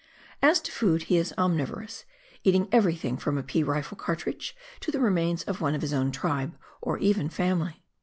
As to food, he is omnivorous, eating everything, from a pea rifle cartridge to the remains of one of his own tribe, or even family.